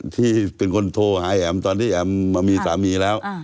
ที่เป็นคนโทรหาแอมตอนที่แอมมามีสามีแล้ว